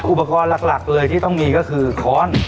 อุปกรณ์หลักเลยที่ต้องมีก็คือค้อน